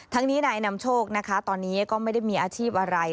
นี้นายนำโชคนะคะตอนนี้ก็ไม่ได้มีอาชีพอะไร